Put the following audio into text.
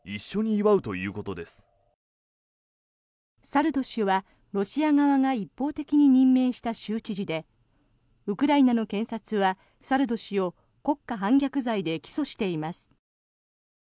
サルド氏はロシア側が一方的に任命した州知事でウクライナの検察はサルド氏を国家反逆罪で起訴しています。